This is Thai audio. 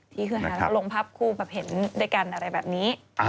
ที่ฮือหาลงภาพคู่แบบเห็นด้วยกันอะไรแบบนี้